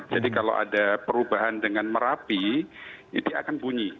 jadi kalau ada perubahan dengan merapi itu akan bunyi